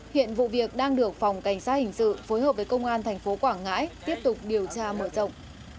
hiện vụ việc đang được phòng cảnh sát hình sự phối hợp với công an thành phố quảng ngãi tiếp tục điều tra mở rộng